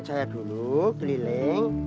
seperti dikejar maling